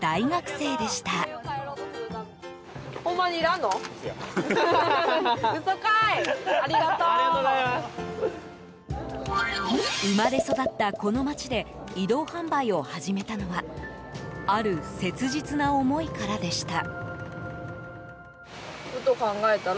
生まれ育ったこの町で移動販売を始めたのはある切実な思いからでした。